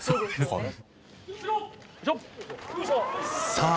「さあ